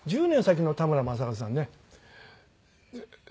１０年先の田村正和さんね。